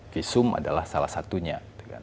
visum adalah salah satunya